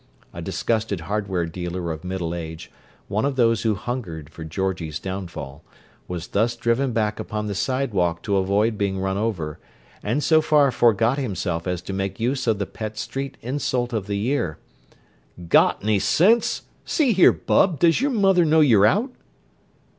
A disgusted hardware dealer of middle age, one of those who hungered for Georgie's downfall, was thus driven back upon the sidewalk to avoid being run over, and so far forgot himself as to make use of the pet street insult of the year: "Got 'ny sense! See here, bub, does your mother know you're out?"